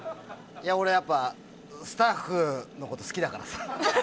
俺、やっぱりスタッフのこと好きだからさ。